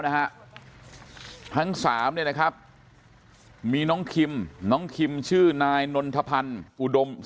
นะฮะทั้งสามเนี่ยนะครับมีน้องคิมน้องคิมชื่อนายนนทพันธ์อุดม